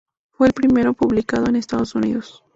Fue el primero publicado en Estados Unidos.